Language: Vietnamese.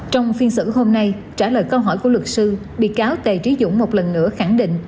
trong phiên xử hôm nay trả lời câu hỏi của luật sư bị cáo tề trí dũng một lần nữa khẳng định